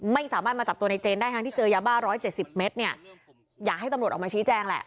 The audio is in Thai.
ไม่สามารถมาจับตัวในเจนได้ทั้งที่เจอยาบ้า๑๗๐เมตรเนี่ยอยากให้ตำรวจออกมาชี้แจงแหละ